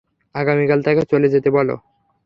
আগামীকাল তাকে চলে যেতে বলো।